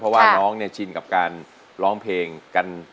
เพราะว่าน้องเนี่ยชินกับการร้องเพลงกัน